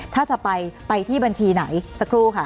ถ้าจะไปไปที่บัญชีไหนสักครู่ค่ะ